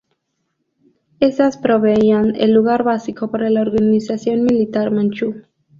Estas proveían el lugar básico para la organización militar manchú.